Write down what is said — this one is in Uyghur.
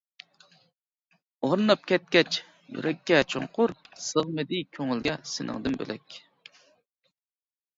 ئورناپ كەتكەچ يۈرەككە چوڭقۇر، سىغمىدى كۆڭۈلگە سېنىڭدىن بۆلەك.